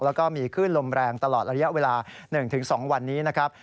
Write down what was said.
แล้วก็มีคลื่นลมแรงตลอดระยะเวลา๑๒วันนี้นะครับ